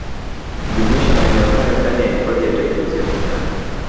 kujumuisha maeneo hayo ndani ya Hifadhi ya Taifa Ziwa Manyara